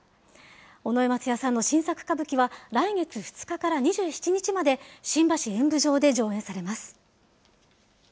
尾上松也さんの新作歌舞伎は来月２日から２７日まで、新橋演舞場で上演されます。